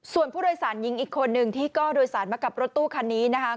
ส่วนผู้โดยสารหญิงอีกคนนึงที่ก็โดยสารมากับรถตู้คันนี้นะคะ